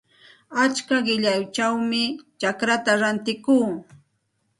Achka qillayćhawmi chacraata rantikuu.